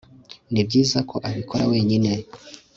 Ni byiza ko abikora wenyine